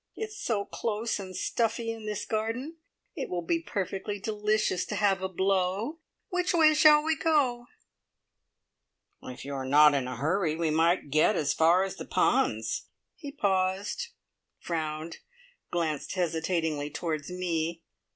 It's so close and stuffy in this garden. It will be perfectly delicious to have a blow. Which way shall we go?" "If you are not in a hurry we might get as far as the ponds." He paused, frowned, glanced hesitatingly towards me.